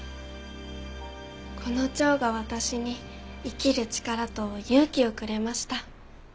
この蝶が私に生きる力と勇気をくれました。